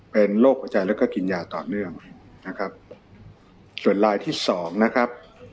เป็นโรคหัวใจแล้วก็กินยาต่อเนื่องนะครับส่วนลายที่สองนะครับ